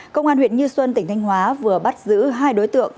công an huyện như xuân tỉnh thanh hóa vừa bắt giữ hai đối tượng